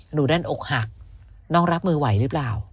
ด้านอกหักน้องรับมือไหวหรือเปล่า